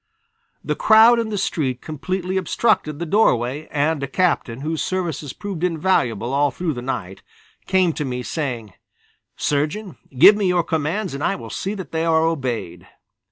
The crowd in the street completely obstructed the doorway and a captain, whose services proved invaluable all through the night, came to me, saying: "Surgeon, give me your commands and I will see that they are obeyed."